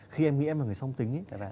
khi em nghĩ em là người song tính ấy